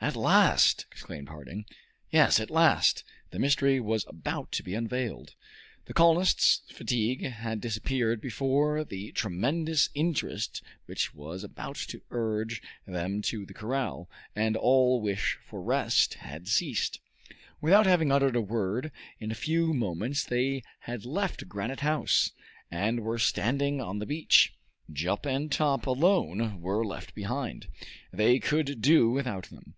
"At last!" exclaimed Harding. Yes! At last! The mystery was about to be unveiled. The colonists' fatigue had disappeared before the tremendous interest which was about to urge them to the corral, and all wish for rest had ceased. Without having uttered a word, in a few moments they had left Granite House, and were standing on the beach. Jup and Top alone were left behind. They could do without them.